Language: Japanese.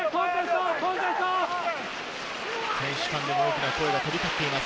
選手間でも大きな声が飛び交っています。